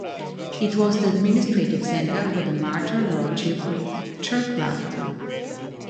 It was the administrative centre for the Marcher Lordship of Chirkland.